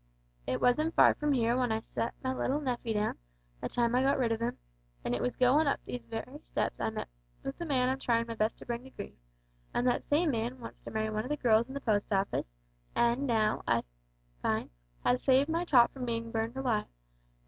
It wasn't far from here where I sot my little nephy down, that time I got rid of him, and it was goin' up these wery steps I met with the man I'm tryin' my best to bring to grief, an' that same man wants to marry one of the girls in the Post Office, and now, I find, has saved my Tot from bein' burnt alive!